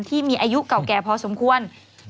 ที่มีอายุเก่าแก่พอสมควร